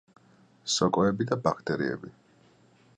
სოკოები და ბაქტერიები.